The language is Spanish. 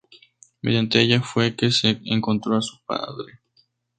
Mediante ella fue que se encontró a su padre.